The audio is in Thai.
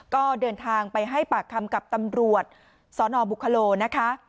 ก็เดินทางไปให้ปากคำกับตำรวจสนบุคโลนะคะ